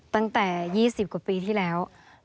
ตั้งแต่๒๐กว่าปีที่แล้ว